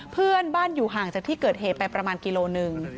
เพื่อนบ้านอยู่ห่างจากที่เกิดเหตุไปประมาณกิโลหนึ่ง